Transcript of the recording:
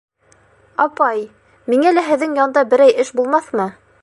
Апай, миңә лә һеҙҙең янда берәй эш булмаҫмы?